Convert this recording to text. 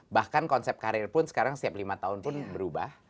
bahkan konsep karir pun sekarang setiap lima tahun pun berubah